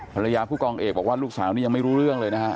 ผู้กองเอกบอกว่าลูกสาวนี่ยังไม่รู้เรื่องเลยนะฮะ